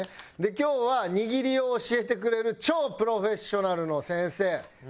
今日は握りを教えてくれる超プロフェッショナルの先生来てもらいました。